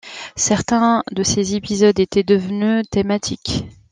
Certains de ses épisodes étaient devenus thématiques.